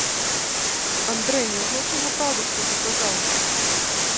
Андрэй, няўжо ўсё няпраўда, што ты казаў?